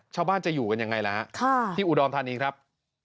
ชาวบ้านจะอยู่กันยังไงล่ะฮะที่อุดรธานีครับ